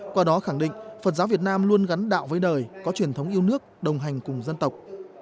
qua đó khẳng định phật giáo việt nam luôn gắn đạo với đời có truyền thống yêu nước đồng hành cùng dân tộc